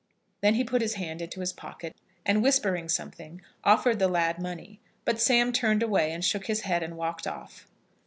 Then he put his hand into his pocket, and whispering something, offered the lad money. But Sam turned away, and shook his head, and walked off.